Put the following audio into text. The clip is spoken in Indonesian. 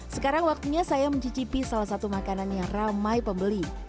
sekarang waktunya saya mencicipi salah satu makanan yang ramai pembeli